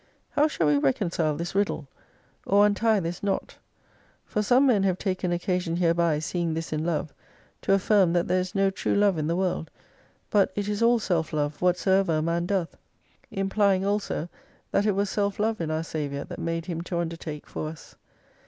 How shall we reconcile this riddle ? or untie this knot ? For some men have taken occa sion hereby seeing this in Love, to affirm that there is no true love in the world, but it is all self love what soever a man doth. Implying also that it was self love in our Saviour that made Him to undertake for us.